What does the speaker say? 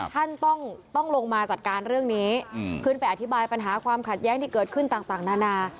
ท่านต้องลงมาจัดการเรื่องนี้ขึ้นไปอธิบายปัญหาความขัดแย้งที่เกิดขึ้นต่างนานา